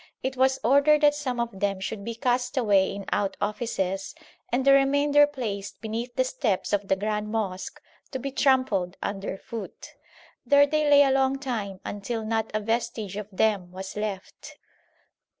It was ordered that some of them should be cast away in cut offices and the remainder placed beneath the steps of the grand mosque to be trampled under foot. There they lay a long time until not a vestige of them was left.